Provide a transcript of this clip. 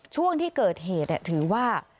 ช่วงที่เกิดเหตุถือว่า